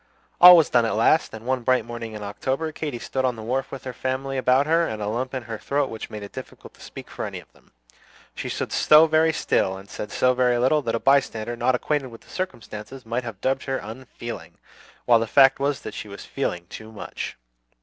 All was done at last; and one bright morning in October, Katy stood on the wharf with her family about her, and a lump in her throat which made it difficult to speak to any of them. She stood so very still and said so very little, that a bystander not acquainted with the circumstances might have dubbed her "unfeeling;" while the fact was that she was feeling too much!